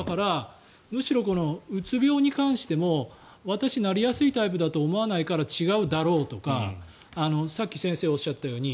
むしろうつ病に関しても私、なりやすいタイプだと思わないから違うだろうとかさっき、先生がおっしゃったように。